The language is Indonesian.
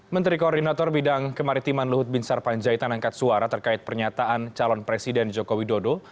menteri koordinator bidang kemaritiman luhut bin sarpanjaitan angkat suara terkait pernyataan calon presiden joko widodo